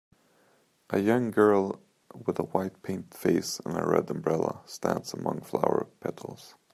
A young girl with a white painted face and red umbrella stands among flower petals.